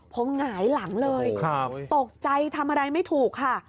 ผมหงายหลังเลยตกใจทำอะไรไม่ถูกค่ะ